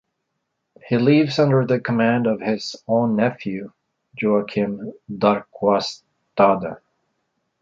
He leaves under the command of his own nephew, Joachim Darquistade.